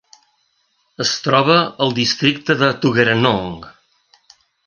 Es troba al districte de Tuggeranong.